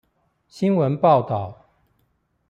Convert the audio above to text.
新聞報導